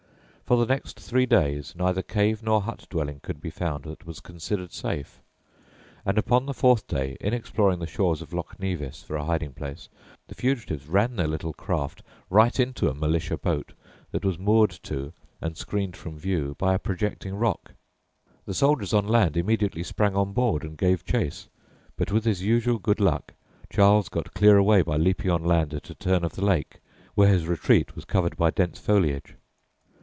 For the next three days neither cave nor hut dwelling could be found that was considered safe; and upon the fourth day, in exploring the shores of Loch Nevis for a hiding place, the fugitives ran their little craft right into a militia boat that was moored to and screened from view by a projecting rock. The soldiers on land immediately sprang on board and gave chase; but with his usual good luck Charles got clear away by leaping on land at a turn of the lake, where his retreat was covered by dense foliage.